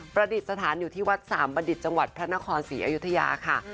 ประดิษฐานอยู่ที่วัดสามบัณฑิตจังหวัดพระนครศรีอยุธยาค่ะ